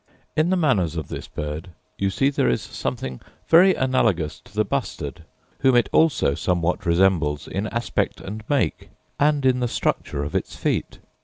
In the manners of this bird you see there is something very analogous to the bustard, whom it also somewhat resembles in aspect and make, and in the structure of its feet.